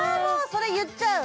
それ言っちゃう？